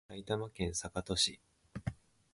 埼玉県坂戸市